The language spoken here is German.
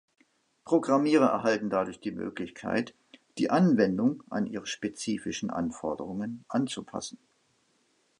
Programmierer erhalten dadurch die Möglichkeit, die Anwendung an ihre spezifischen Anforderungen anzupassen.